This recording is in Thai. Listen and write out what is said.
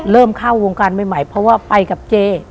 เริ่มเข้าวงการใหม่เพราะว่าไปกับเจ